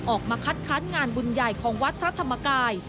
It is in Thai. ออกมาคัดค้านงานบุญใหญ่ของวัดพระธรรมกาย